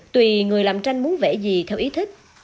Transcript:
tùy người làm tranh muốn vẽ gì theo ý thích